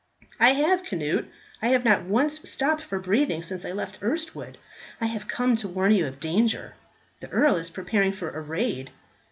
"I have, Cnut; I have not once stopped for breathing since I left Erstwood. I have come to warn you of danger. The earl is preparing for a raid."